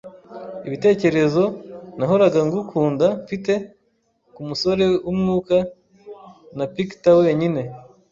ibitekerezo. Nahoraga ngukunda, mfite, kumusore wumwuka, na picter wenyine